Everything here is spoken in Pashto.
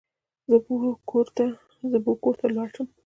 زه بو کور ته لوړ شم.